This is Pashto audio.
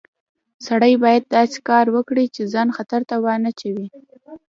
سړی باید داسې کار وکړي چې ځان خطر ته ونه اچوي